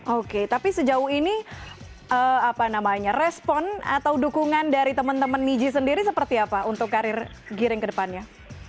oke tapi sejauh ini apa namanya respon atau dukungan dari teman teman niji sendiri seperti apa untuk karir giring ke depannya